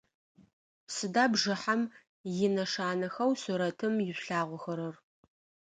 Сыда бжыхьэм инэшанэхэу сурэтым ишъулъагъохэрэр?